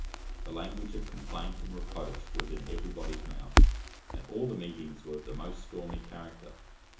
The language of complaint and reproach was in every body's mouth, and all the meetings were of the most stormy character.